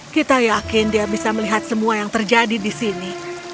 kita yakin dia bisa melihat semua yang terjadi di sini